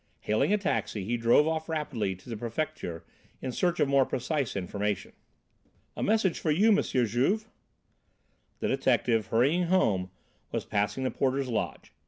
Hailing a taxi he drove off rapidly to the Prefecture in search of more precise information. "A message for you, M. Juve." The detective, hurrying home, was passing the porter's lodge.